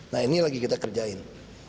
nah ini lagi kita kerjain